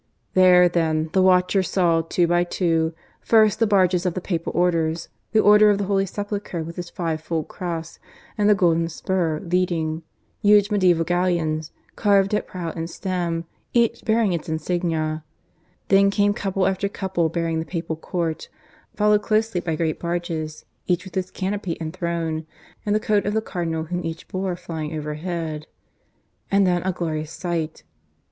There, then, the watcher saw two by two, first the barges of the Papal Orders, the Order of the Holy Sepulchre with its five fold cross, and the Golden Spur, leading huge medieval galleons, carved at prow and stern, each bearing its insignia; then came couple after couple bearing the Papal Court, followed closely by great barges, each with its canopy and throne, and the coat of the Cardinal whom each bore flying overhead. And then a glorious sight.